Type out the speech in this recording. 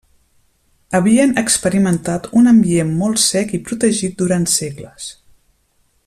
Havien experimentat un ambient molt sec i protegit durant segles.